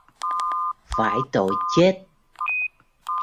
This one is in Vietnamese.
Phải tội chết